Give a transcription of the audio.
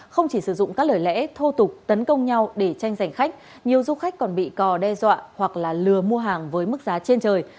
không chỉ sử dụng các lời lẽ thô tục tấn công nhau để tranh giành khách nhiều du khách còn bị cò đe dọa hoặc là lừa mua hàng với mức giá trên trời